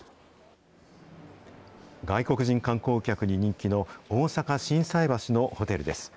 外国人観光客に人気の大阪・心斎橋のホテルです。